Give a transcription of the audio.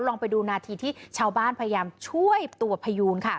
ลองไปดูนาทีที่ชาวบ้านพยายามช่วยตัวพยูนค่ะ